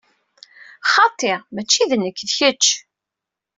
Xaṭi, mačči d nekk, d kečč!